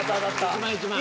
１万１万。